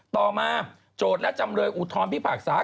ต่อมาโจทย์และจำเลยอุทธรณพิพากษา